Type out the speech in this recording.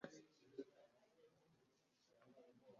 Smith yarafashwe ashyirwa muri gereza.